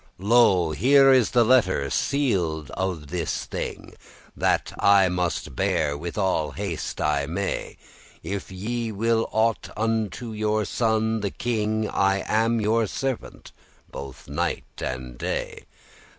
"Lo, here the letter sealed of this thing, That I must bear with all the haste I may: If ye will aught unto your son the king, I am your servant both by night and day."